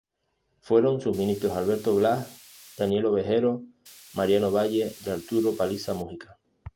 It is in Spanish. Fueron sus ministros Alberto Blas, Daniel Ovejero, Mariano Valle y Arturo Palisa Mujica.